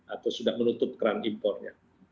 atau sudah menutup keran impornya